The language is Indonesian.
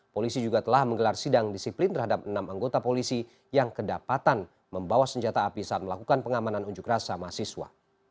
polisi juga telah menggelar sidang disiplin terhadap enam anggota polisi yang kedapatan membawa senjata api saat melakukan pengamanan unjuk rasa mahasiswa